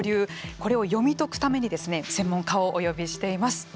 これを読み解くために専門家をお呼びしています。